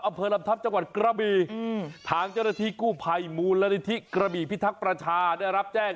อำเภอลำทัพจังหวัดกระบีทางเจ้าหน้าที่กู้ภัยมูลนิธิกระบี่พิทักษ์ประชาได้รับแจ้ง